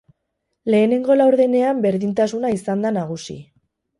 Lehenengo laurdenean berdintasuna izan da nagusi.